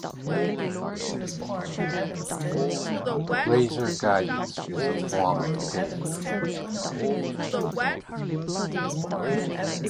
Laser guidance is a form of Pave.